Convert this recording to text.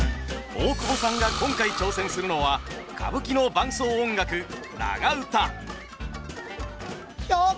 大久保さんが今回挑戦するのは歌舞伎の伴奏音楽長唄。